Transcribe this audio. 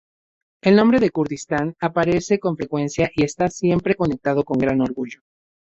El nombre del Kurdistán aparece con frecuencia y está siempre conectado con gran orgullo.